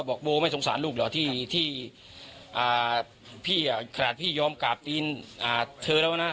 โบไม่สงสารลูกเหรอที่พี่ขนาดพี่ยอมกราบตีนเธอแล้วนะ